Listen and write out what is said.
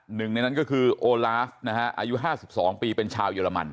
หนึ่งในนั้นก็คือโอลาฟนะฮะอายุ๕๒ปีเป็นชาวเยอรมัน